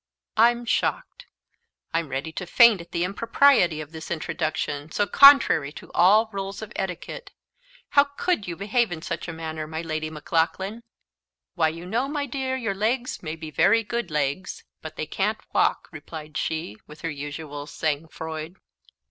I'm shocked; I am ready to faint at the impropriety of this introduction, so contrary to all rules of etiquette. How _could _you behave in such a manner, my Lady Maclaughlan?" "Why, you know, my dear, your legs may be very good legs, but they can't walk," replied she, with her usual _sang froid.